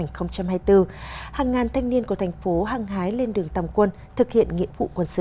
hàng ngàn thanh niên của tp hcm hăng hái lên đường tầm quân thực hiện nghĩa vụ quân sự